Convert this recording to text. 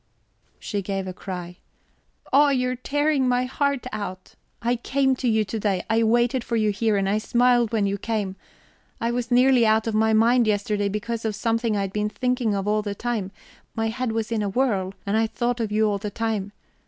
She gave a cry: "Oh, you are tearing my heart out. I came to you to day; I waited for you here, and I smiled when you came. I was nearly out of my mind yesterday, because of something I had been thinking of all the time; my head was in a whirl, and I thought of you all the time.